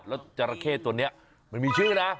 แล้วจราเข้ตัวนี้มันมีชื่อนะ